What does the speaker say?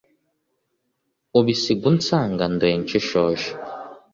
ubasiga unsanga ; ndoye nshishoje,